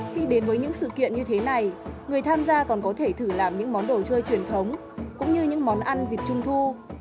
khi đến với những sự kiện như thế này người tham gia còn có thể thử làm những món đồ chơi truyền thống cũng như những món ăn dịp trung thu